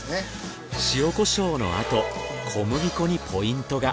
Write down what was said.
塩コショウのあと小麦粉にポイントが。